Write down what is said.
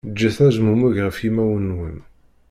Ǧǧet azmummeg ɣef yimawen-nwen.